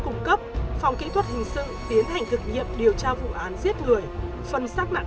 cung cấp phòng kỹ thuật hình sự tiến hành thực nghiệm điều tra vụ án giết người phần sát nạn